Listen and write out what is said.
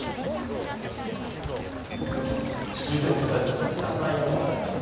続いてお伝えするのは野菜の話題です。